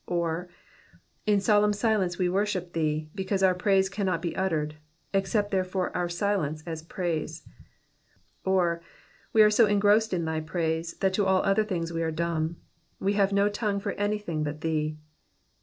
Or, in solemn silence we worship thee, because our praise cannot be uttered ; accept, therefore, our silence as praise. Or, we are so engrossed in thy praise, that to all other things we are dumb ; we have no tongue for anything but thee.